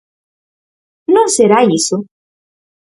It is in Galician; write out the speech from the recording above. ¿Non será iso?